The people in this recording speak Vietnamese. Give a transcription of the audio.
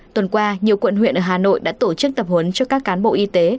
tuần qua nhiều quận huyện ở hà nội đã tổ chức tập huấn cho các cán bộ y tế